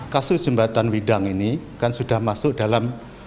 kasus jembatan widang ini kan sudah masuk dalam